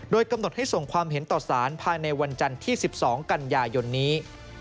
กำหนดให้ส่งความเห็นต่อสารภายในวันจันทร์ที่๑๒กันยายนนี้